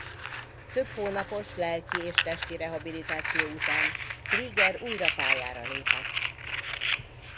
Több hónapos lelki- és testi rehabilitáció után Krieger újra pályára lépett.